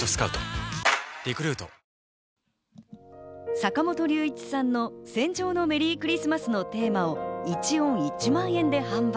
坂本龍一さんの『戦場のメリークリスマス』のテーマを１音１万円で販売。